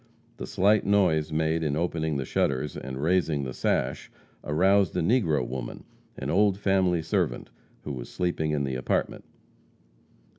The slight noise made in opening the shutters and raising the sash aroused a negro woman, an old family servant, who was sleeping in the apartment.